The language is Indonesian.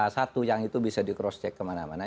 satu yang itu bisa di cross check kemana mana